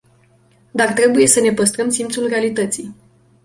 Dar trebuie să ne păstrăm simțul realității.